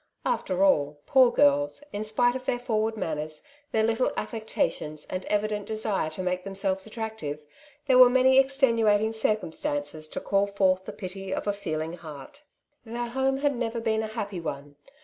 After all, poor girls, in spite of their forward manners, their little affectations, and evident desire to make themselves attractive, there were many extenuating circumstances to call forth the pity ol a feeling heart. Their home had never been a happy one.